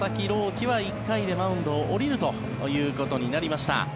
希は１回でマウンドを降りるということになりました。